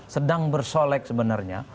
sedang bersolek sebenarnya